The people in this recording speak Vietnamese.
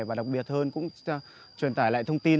và đặc biệt hơn cũng truyền tải lại thông tin